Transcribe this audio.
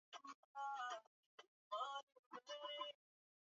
mchoro wa ukutani wa Viktor Vasnetsov Warusi wengi kabisa walikuwa